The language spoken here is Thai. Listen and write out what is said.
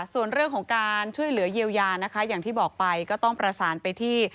ส่วนเรื่องของการช่วยเหลือเยียวยานะคะอย่างที่บอกไปก็ต้องประสานไปที่